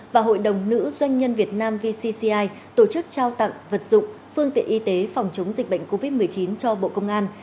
và hội đồng nữ doanh nhân việt nam vcci tổ chức trao tặng vật dụng phương tiện y tế phòng chống dịch bệnh covid một mươi chín cho bộ công an